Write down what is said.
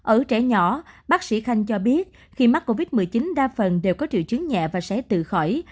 ở trẻ nhỏ bác sĩ khanh cho biết khi mắc covid một mươi chín đa phần đều có triệu chứng nhẹ và sẽ tự khỏi